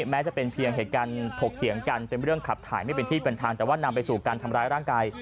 แล้วเยี่ยวกรอกปากผมได้ยังไง